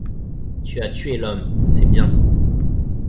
Tu as tué l'homme; c'est bien.